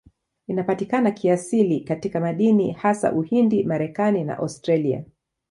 Inapatikana kiasili katika madini, hasa Uhindi, Marekani na Australia.